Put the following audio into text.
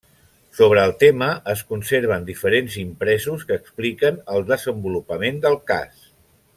Sobre el tema es conserven diferents impresos que expliquen el desenvolupament del cas.